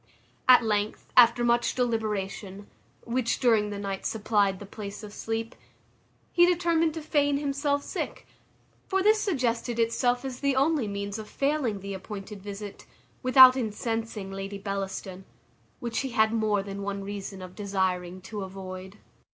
At length, after much deliberation, which during that night supplied the place of sleep, he determined to feign himself sick: for this suggested itself as the only means of failing the appointed visit, without incensing Lady Bellaston, which he had more than one reason of desiring to avoid.